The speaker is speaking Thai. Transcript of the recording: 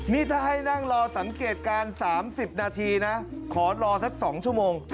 นี่ถ้าให้นั่งรอสังเกตการณ์๓๐นาทีนะขอรอสัก๒ชั่วโมง